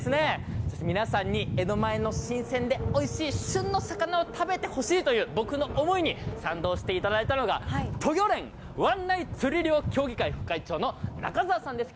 そして皆さんに江戸前の新鮮でおいしい旬の魚を食べてほしいという僕の想いに、賛同していただいたのが、都漁連湾内釣魚協議会、副会長の中澤さんです。